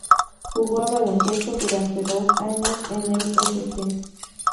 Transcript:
Jugó a baloncesto durante dos años en el St.